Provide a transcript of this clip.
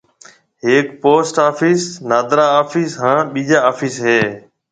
ھيَََڪ پوسٽ آفس ، نادرا آفس ھان ٻيجا آفس ھيََََ